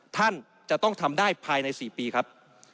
ท่านจะต้องทำได้ภายใน๔ปีครับ